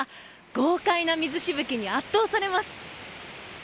豪快な水しぶきに圧倒されます。